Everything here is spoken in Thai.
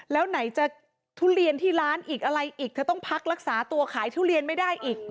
แล้วไหนจะทุเรียนที่ร้านอีกอะไรอีกเธอต้องพักรักษาตัวขายทุเรียนไม่ได้อีก